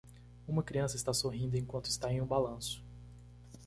Uma criança está sorrindo enquanto está em um balanço.